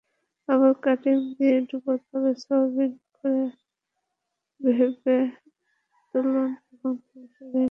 আবার কোটিং দিয়ে ডুবোতেলে সোনালি করে ভেজে তুলুন এবং তেল ঝরিয়ে নিন।